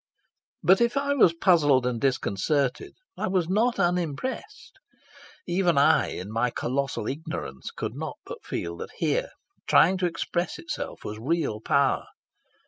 But if I was puzzled and disconcerted, I was not unimpressed. Even I, in my colossal ignorance, could not but feel that here, trying to express itself, was real power.